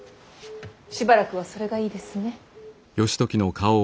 しばらくはそれがいいですね。